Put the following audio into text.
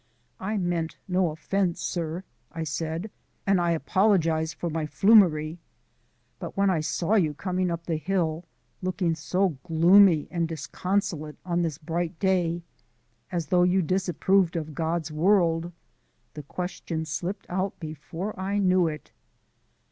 "I meant no offence, sir," I said, "and I apologize for my flummery, but when I saw you coming up the hill, looking so gloomy and disconsolate on this bright day, as though you disapproved of God's world, the question slipped out before I knew it."